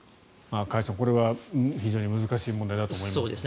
加谷さんこれは非常に難しい問題だと思います。